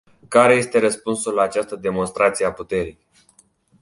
Care este răspunsul la această demonstrație a puterii?